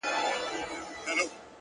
پوهه د ذهن پټې وړتیاوې راویښوي؛